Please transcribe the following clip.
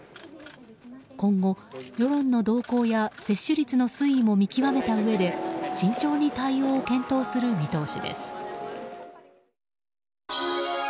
今後、世論の動向や接種率の推移も見極めたうえで慎重に対応を検討する見通しです。